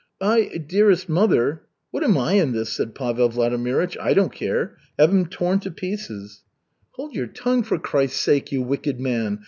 "I, dearest mother " "What am I in this?" said Pavel Vladimirych. "I don't care. Have him torn to pieces." "Hold your tongue, for Christ's sake, you wicked man!"